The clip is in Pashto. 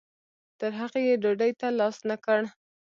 تر هغې یې ډوډۍ ته لاس نه کړ.